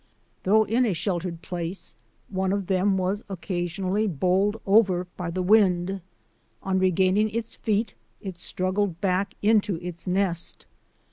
Though in a sheltered place, one of them was occasionally bowled over by the wind. On regaining its feet, it struggled back into its nest.